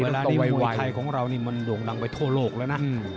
ในมวยไทยของเรานี่มันโด่งดังไปทั่วโลกแล้วนะ